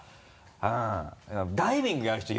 うんダイビングやる人